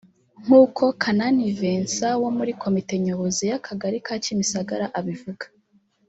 nk’uko Kanani Vincent wo muri komite nyobozi y’Akagari ka Kimisagara abivuga